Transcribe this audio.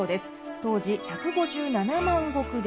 当時１５７万石でした。